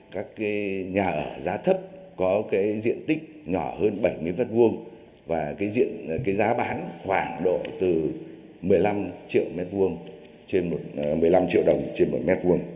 các nhà ở giá thấp có diện tích nhỏ hơn bảy m hai và giá bán khoảng độ từ một mươi năm triệu đồng trên một m hai